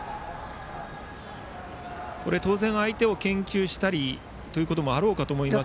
当然、相手を研究したりもあろうかと思いますが。